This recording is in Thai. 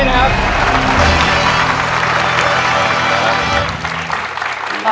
ใช้นะครับ